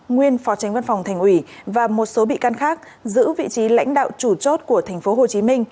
nguyên phó tránh văn phòng thành ủy và một số bị can khác giữ vị trí lãnh đạo chủ chốt của tp hcm